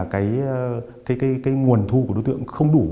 cái nguồn thu của đối tượng không đủ